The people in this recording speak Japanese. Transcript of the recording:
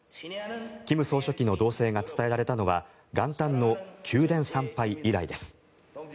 金総書記の動静が伝えられたのは元旦の宮殿参拝以来です。